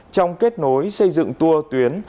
trong kết nối xây dựng tour tuyến